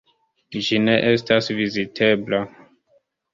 Ĝi ne estas vizitebla.